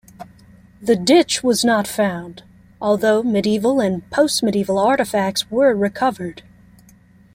The ditch was not found, although medieval and post-medieval artefacts were recovered.